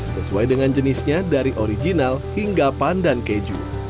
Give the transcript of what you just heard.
sesuai dengan jenisnya dari original hingga pandan keju